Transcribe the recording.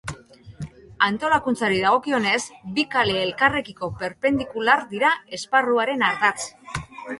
Antolakuntzari dagokionez, bi kale elkarrekiko perpendikular dira esparruaren ardatz.